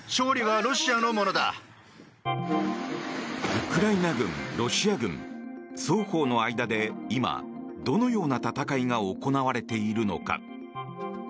ウクライナ軍、ロシア軍双方の間で今、どのような戦いが行われているのか。